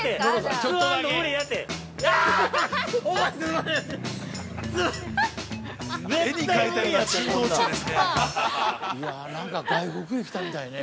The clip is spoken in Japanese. ◆ちょっとぉ◆いやぁ、なんか外国へ来たみたいね。